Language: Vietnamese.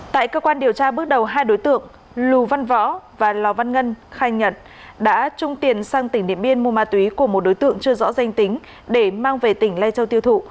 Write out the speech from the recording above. tại cơ quan điều tra bước đầu hai đối tượng lù văn võ và lò văn ngân khai nhận đã chung tiền sang tỉnh điện biên mua ma túy của một đối tượng chưa rõ danh tính để mang về tỉnh lai châu tiêu thụ